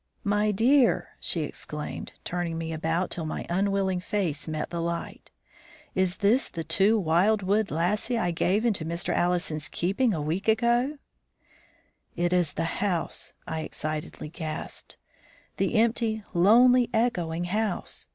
"My dear!" she exclaimed, turning me about till my unwilling face met the light, "is this the wild wood lassie I gave into Mr. Allison's keeping a week ago!" "It is the house!" I excitedly gasped, "the empty, lonely, echoing house!